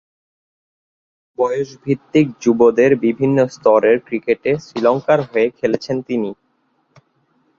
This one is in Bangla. বয়সভিত্তিক যুবদের বিভিন্ন স্তরের ক্রিকেটে শ্রীলঙ্কার হয়ে খেলেছেন তিনি।